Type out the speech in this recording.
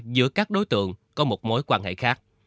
giữa các đối tượng có một mối quan hệ khác